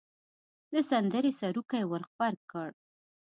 د سندرې سروکی ور غبرګ کړ.